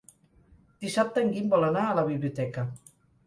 Dissabte en Guim vol anar a la biblioteca.